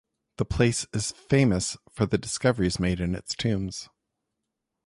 The place is famous for the discoveries made in its tombs.